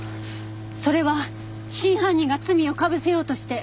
それは真犯人が罪を被せようとして。